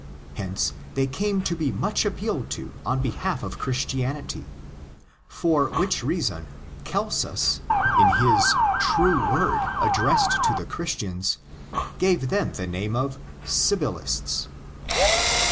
Hence they came to be much appealed to on behalf of Christianity ; for which reason Celsus, in his True Word addressed to the Christians, gave them the name of '' Sibyllists."